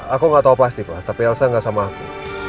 aku nggak tahu pasti pak tapi elsa gak sama aku